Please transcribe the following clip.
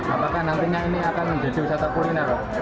apakah nantinya ini akan menjadi wisata kuliner